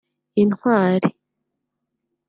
Intwari